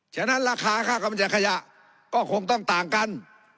ฉะนั้นราคาค่ากำจัดขยะก็คงต้องต่างกัน